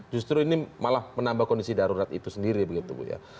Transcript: justru ini malah menambah kondisi darurat itu sendiri begitu bu ya